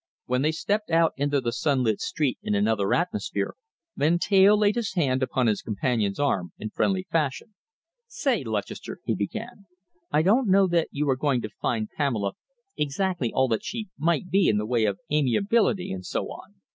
When they stepped out into the sunlit street in another atmosphere, Van Teyl laid his hand upon his companion's arm in friendly fashion. "Say, Lutchester," he began, "I don't know that you are going to find Pamela exactly all that she might be in the way of amiability and so on.